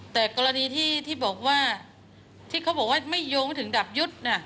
แต่กรณีที่บอกว่าที่เขาบอกว่าไม่โยงถึงดับยุทธ์